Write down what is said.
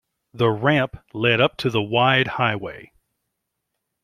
The ramp led up to the wide highway.